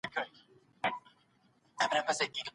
ماڼۍ زموږ لخوا له ډاره ړنګیږي.